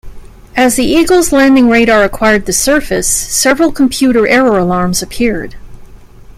As the "Eagle"'s landing radar acquired the surface, several computer error alarms appeared.